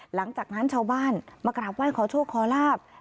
หลังจากนั้นชาวบ้านมากราบไหว้ขอโชคขอลาบ